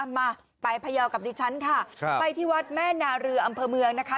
มาไปพยาวกับดิฉันค่ะไปที่วัดแม่นาเรืออำเภอเมืองนะคะ